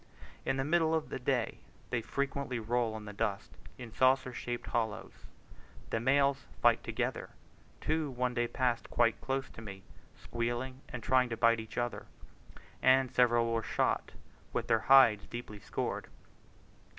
In the middle of the day they frequently roll in the dust, in saucer shaped hollows. The males fight together; two one day passed quite close to me, squealing and trying to bite each other; and several were shot with their hides deeply scored.